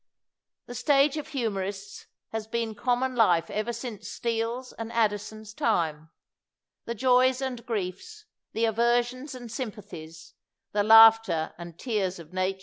The stage of humorists has been com mon life ever since Steele 's and Addison 's time ; the joys and griefs, the aversions and sympathies, the laughter and tears of nature.